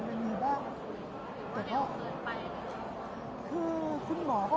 พี่คิดว่าเข้างานทุกครั้งอยู่หรือเปล่า